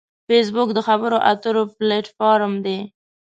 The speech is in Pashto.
فېسبوک د خبرو اترو پلیټ فارم دی